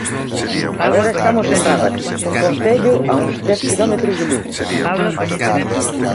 Agora estamos en Rábade, un concello a uns dez quilómetros de Lugo.